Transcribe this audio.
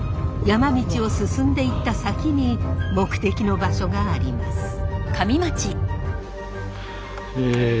山道を進んでいった先に目的の場所があります。